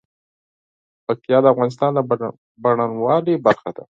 پکتیا د افغانستان د بڼوالۍ برخه ده.